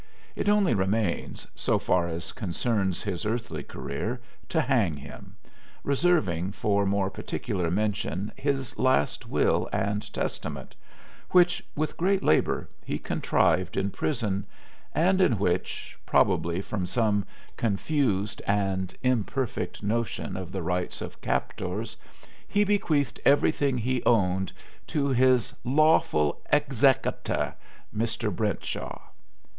It only remains, so far as concerns his earthly career, to hang him, reserving for more particular mention his last will and testament, which, with great labor, he contrived in prison, and in which, probably from some confused and imperfect notion of the rights of captors, he bequeathed everything he owned to his "lawfle execketer," Mr. Brentshaw.